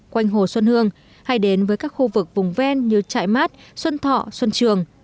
quanh hồ xuân hương hay đến với các khu vực vùng ven như trại mát xuân thọ xuân trường